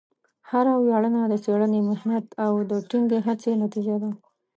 هره ویاړنه د څېړنې، محنت، او ټینګې هڅې نتیجه ده.